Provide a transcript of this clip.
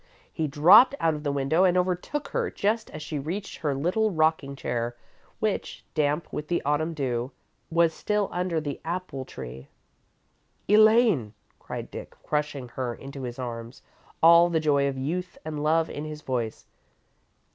He dropped out of the window and overtook her just as she reached her little rocking chair, which, damp with the Autumn dew, was still under the apple tree. "Elaine!" cried Dick, crushing her into his arms, all the joy of youth and love in his voice.